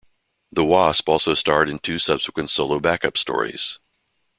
The Wasp also starred in two subsequent solo backup stories.